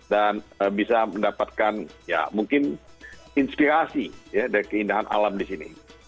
dan bisa mendapatkan ya mungkin inspirasi ya dari keindahan alam disini